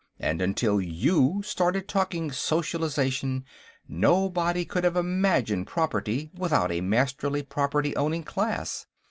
And until you started talking socialization, nobody could have imagined property without a Masterly property owning class.